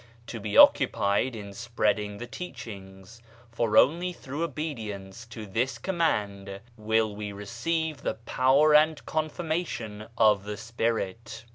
" To be occupied in spreading the teach ings, for only through obedience to this command will we receive the power and confirmation of the Spirit.